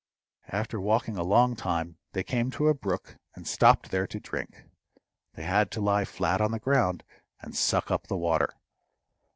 After walking a long time, they came to a brook, and stopped there to drink. They had to lie flat on the ground, and suck up the water.